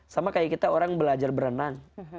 sama kayak kita orang belajar berenang